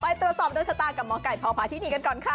ไปตรวจสอบโดนชะตากับหมอไก่พพาธินีกันก่อนค่ะ